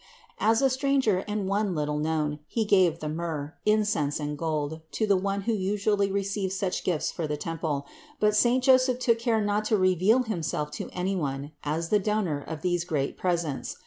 As a stranger and one little known he gave the myrrh, incense and gold to the one who usually received such gifts for the temple, but saint Joseph took care not to reveal himself to any one as the donor of these great presents.